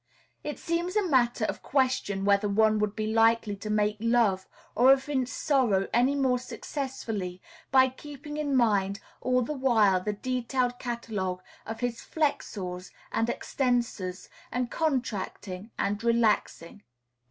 It seems a matter of question whether one would be likely to make love or evince sorrow any more successfully by keeping in mind all the while the detailed catalogue of his flexors and extensors, and contracting and relaxing No.